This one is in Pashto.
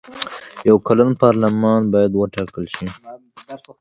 یو کلن پارلمان باید وټاکل شي.